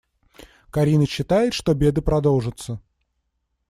Карина считает, что беды продолжатся.